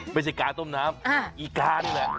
ไม่ใช่การต้มน้ำอีกานแหละ